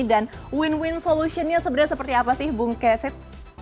dan win win solutionnya sebenarnya seperti apa sih bu nkesit